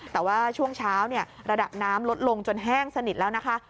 แต่ว่าช่วงเช้าระดับน้ำลดลงจนแห้งสนิทแล้วนะคะ